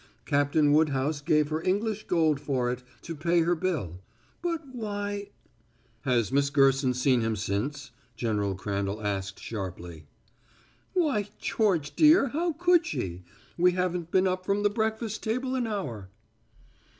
Captain Woodhouse gave her English gold for it to pay her bill. But why " "Has Miss Gerson seen him since?" General Crandall asked sharply. "Why, George, dear, how could she? We haven't been up from the breakfast table an hour."